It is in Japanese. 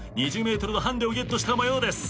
２０ｍのハンデをゲットした模様です。